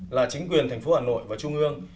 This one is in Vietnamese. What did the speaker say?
là chính quyền thành phố hà nội và trung ương